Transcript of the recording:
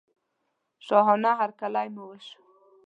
شاهانه هرکلی مو وشو.